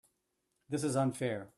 This is unfair.